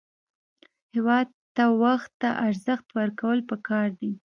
هېواد ته وخت ته ارزښت ورکول پکار دي